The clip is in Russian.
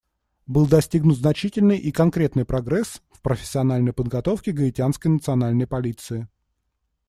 Был достигнут значительный и конкретный прогресс в профессиональной подготовке Гаитянской национальной полиции.